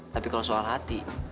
tapi kalau soal hati